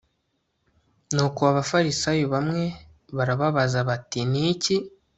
Nuko Abafarisayo bamwe barababaza bati Ni iki